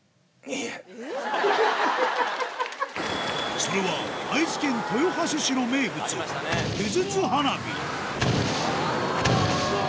それは愛知県豊橋市の名物、手筒花火。